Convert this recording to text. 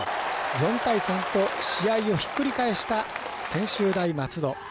４対３と試合をひっくり返した専修大松戸。